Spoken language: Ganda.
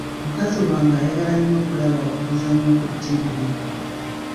Mukazi wange ayagala nnyo okulaba obuzannyo ku ttivi.